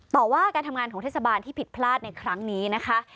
ต่อว่าการทำงานของเทศบาลที่ผิดพลาดในครั้งนี้นะคะ